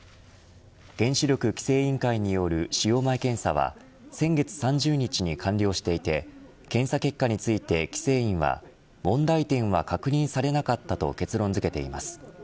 原子力規制委員会による使用前検査は先月３０日に完了していて検査結果について規制委は問題点は確認されなかったと結論づけています。